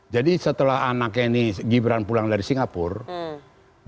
jadi setelah anak ini gibran pulang dari singapura